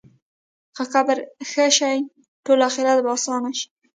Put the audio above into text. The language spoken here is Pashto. که قبر ښه شي، ټول آخرت به اسان شي.